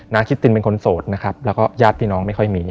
คิตตินเป็นคนโสดนะครับแล้วก็ญาติพี่น้องไม่ค่อยมี